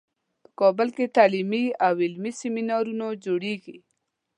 په کابل کې تعلیمي او علمي سیمینارونو جوړیږي